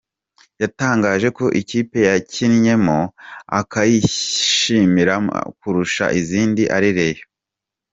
Yatangaje ko ikipe yakinnyemo akayishimiramo kurusha izindi ari Rayon Sports.